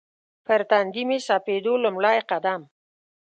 پر تندي مې سپېدو لومړی قدم